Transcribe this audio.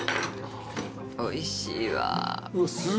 おいしいわ。